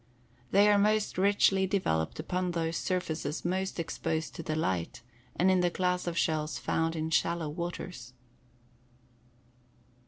They are most richly developed upon those surfaces most exposed to the light and in the class of shells found in shallow waters.